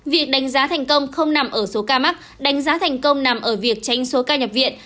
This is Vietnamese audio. việc đánh giá thành công không nằm ở số ca mắc đánh giá thành công nằm ở việc tranh số ca nhập viện